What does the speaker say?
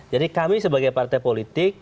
jadi kami sebagai partai politik